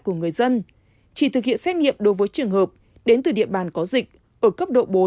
của người dân chỉ thực hiện xét nghiệm đối với trường hợp đến từ địa bàn có dịch ở cấp độ bốn